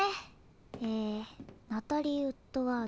えナタリー・ウッドワード。